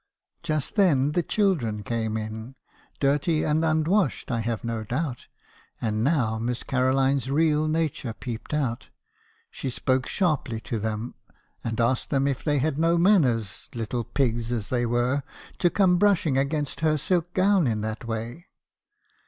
"Just then the children came in, dirty and unwashed, I have no doubt. And now Miss Caroline's real nature peeped out. She spoke sharply to them, and asked them if they had no manners, little pigs as they were , to come brushing against her silk gown in that way?